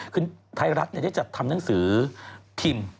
คือไทยรัฐได้จัดทำหนังสือพิมพ์